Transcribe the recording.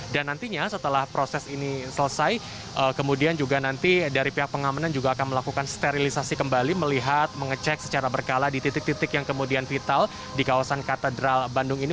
dan nantinya setelah proses ini selesai kemudian juga nanti dari pihak pengamenan juga akan melakukan sterilisasi kembali melihat mengecek secara berkala di titik titik yang kemudian vital di kawasan katedral bandung ini